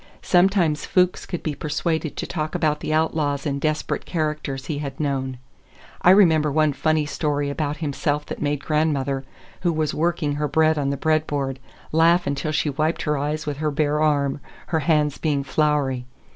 Sometimes Fuchs could be persuaded to talk about the outlaws and desperate characters he had known. I remember one funny story about himself that made grandmother, who was working her bread on the bread board, laugh until she wiped her eyes with her bare arm, her hands being floury.